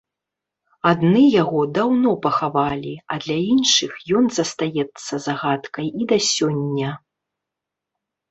Адны яго даўно пахавалі, а для іншых ён застаецца загадкай і да сёння.